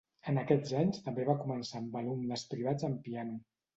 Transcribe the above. En aquests anys també va començar amb alumnes privats en piano.